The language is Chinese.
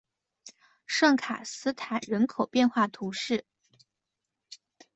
圣卡斯坦人口变化图示